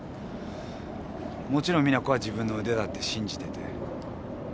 もちろん実那子は自分の腕だって信じてて。